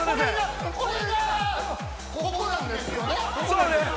◆これがここなんですよね？